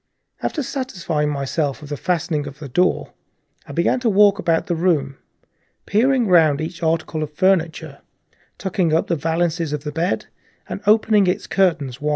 After satisfying myself of the fastening of the door, I began to walk round the room, peering round each article of furniture, tucking up the valances of the bed and opening its curtains wide.